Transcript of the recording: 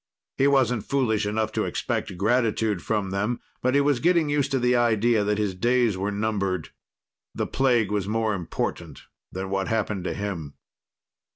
He wasn't foolish enough to expect gratitude from them, but he was getting used to the idea that his days were numbered. The plague was more important than what happened to him.